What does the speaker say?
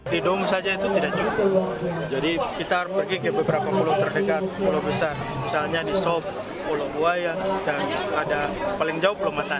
di dong saja itu tidak cukup jadi kita harus pergi ke beberapa pulau terdekat pulau besar misalnya di sop pulau buaya dan ada paling jauh pulau mata